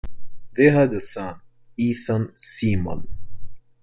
They had a son, Ethan Simon.